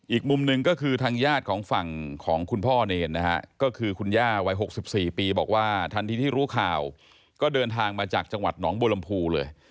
อีกมุมหนึ่งก็คือทางญาติของฝั่งของคุณพ่อเนรนะฮะก็คือคุณย่าวัย๖๔ปีบอกว่าทันทีที่รู้ข่าวก็เดินทางมาจากจังหวัดหนองบัวลำพูเลย